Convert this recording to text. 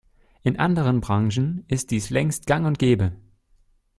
In anderen Branchen ist dies längst gang und gäbe.